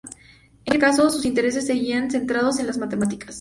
En cualquier caso, sus intereses seguían centrados en las matemáticas.